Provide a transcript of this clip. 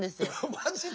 マジで？